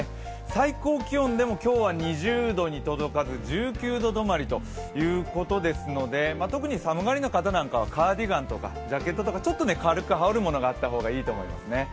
最高気温でも今日は２０度に届かず１９度止まりということですので、特に寒がりな方なんかはカーディガンとかジャケットとか羽織るものがあった方がいいかもしれません。